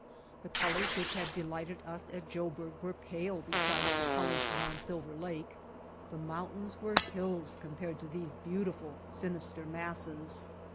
The colors which had de lighted us at Joburg were pale beside the colors around Silver Lake, the mountains were hills compared to these beautiful, sinister masses.